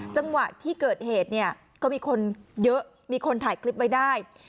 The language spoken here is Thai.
จังหวะที่เกิดเหตุเนี่ยก็มีคนเยอะมีคนถ่ายคลิปไว้ได้